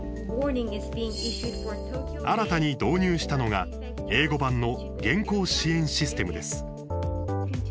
新たに導入したのが英語版の原稿支援システムです。